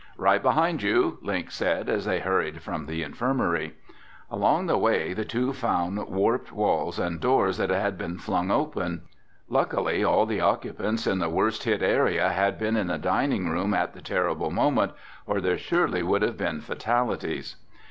"Right behind you," Link said as they hurried from the infirmary. Along the way, the two found warped walls and doors that had been flung open. Luckily all the occupants in the worst hit area had been in the dining room at the terrible moment, or there surely would have been fatalities.